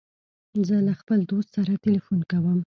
زه له خپل دوست سره تلیفون کوم.